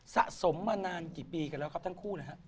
สะสมมานานกี่ปีกันแล้วครับทั้งคู่นะฮะ